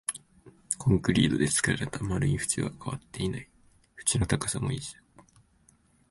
コンクリートで作られた丸い縁は変わっていない、縁の高さも一緒